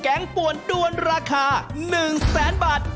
แกงปวนด้วนราคา๑๐๐๐๐๐บาท